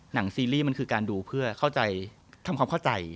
ซีรีส์มันคือการดูเพื่อเข้าใจทำความเข้าใจ